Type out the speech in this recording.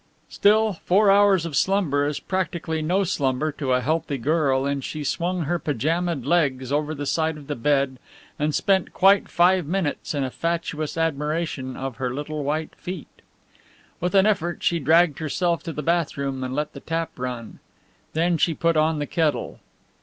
Still, four hours of slumber is practically no slumber to a healthy girl and she swung her pyjama ed legs over the side of the bed and spent quite five minutes in a fatuous admiration of her little white feet. With an effort she dragged herself to the bath room and let the tap run. Then she put on the kettle.